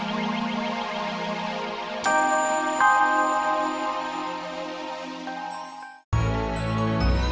terima kasih bu